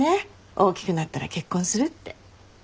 大きくなったら結婚するって。